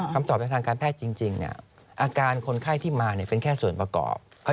คำตอบในทางการแพทย์จริงอาการคนไข้ที่มาเป็นแค่ส่วนประกอบ